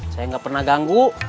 saya gak pernah ganggu